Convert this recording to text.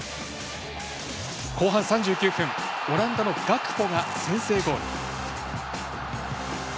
後半３９分オランダのガクポが先制ゴール。